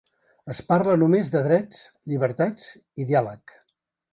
Es parla només de drets, llibertats i diàleg.